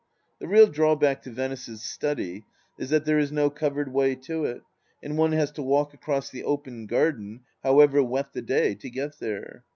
The real drawback to Venice's study is that there is no covered way to it, and one has to walk across the open garden, however wet the day, to get there.